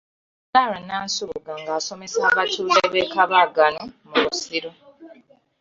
Sarah Nansubuga ng'asomesa abatuuze b'e Kabaagano mu Busiro .